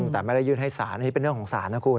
แต่ไม่ได้ยื่นให้สารอันนี้เป็นเรื่องของศาลนะคุณ